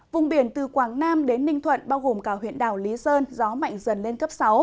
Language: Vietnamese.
vùng biển từ quảng nam đến ninh thuận bao gồm cả huyện đảo lý sơn gió mạnh dần lên cấp sáu